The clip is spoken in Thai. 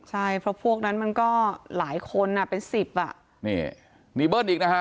ใช่เพราะพวกนั้นมันก็หลายคนอ่ะเป็นสิบอ่ะนี่นี่เบิ้ลอีกนะฮะ